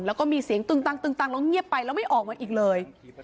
แล้วก็มีเสียงตึงตังแล้วเงียบไปแล้วไม่ออกมาอีกเลย